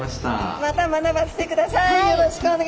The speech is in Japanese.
また学ばせてください。